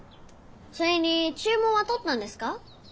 それに注文はとったんですか？